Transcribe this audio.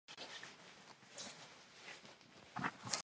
V obci je poštovní úřad otevřený denně.